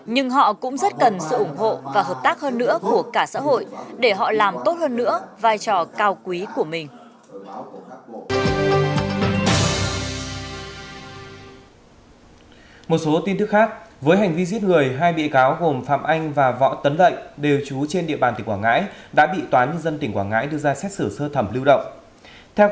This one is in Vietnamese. nhưng họ cũng rất cần sự ủng hộ và hợp tác hơn nữa của cả xã hội để họ làm tốt hơn nữa vai trò cao quý của mình